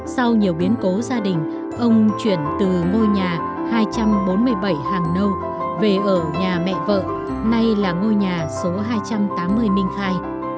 sau nhiều biến cố gia đình ông chuyển từ ngôi nhà hai trăm bốn mươi bảy hàng nâu về ở nhà mẹ vợ nay là ngôi nhà số hai trăm tám mươi minh khai